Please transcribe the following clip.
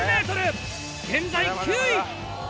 現在９位！